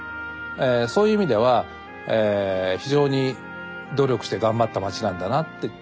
そういう意味では非常に努力して頑張った街なんだなって。